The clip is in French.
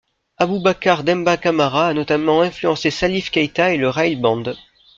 Aboubacar Demba Camara a notamment influencé Salif Keïta et le Rail Band.